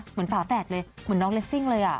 เหมือนฝาแฝดเลยเหมือนน้องเรซิ่งเลยอ่ะ